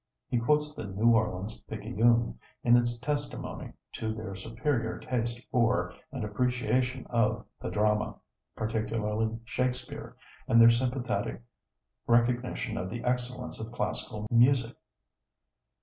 He quotes the New Orleans Picayune in its testimony to their superior taste for and appreciation of the drama, particularly Shakespeare, and their sympathetic recognition of the excellence of classical music.